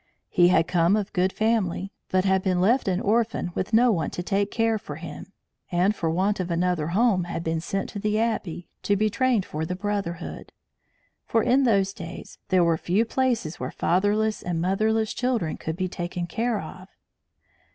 He had come of good family, but had been left an orphan with no one to care for him, and for want of other home had been sent to the Abbey, to be trained for the brotherhood; for in those days there were few places where fatherless and motherless children could be taken care of.